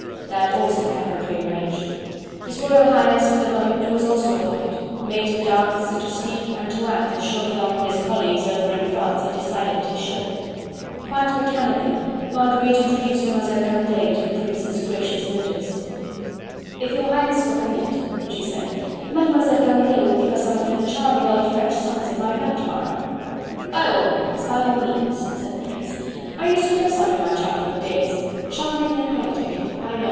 That also had been prearranged. His Royal Highness for the moment was also a puppet, made to dance, to speak and to act as Chauvelin and his colleagues over in France had decided that he should. Quite mechanically Marguerite introduced Demoiselle Candeille to the Prince's gracious notice. "If your Highness will permit," she said, "Mademoiselle Candeille will give us some of her charming old French songs at my rout to morrow." "By all means! By all means!" said the Prince. "I used to know some in my childhood days. Charming and poetic.... I know....